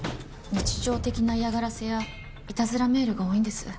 日常的な嫌がらせやいたずらメールが多いんです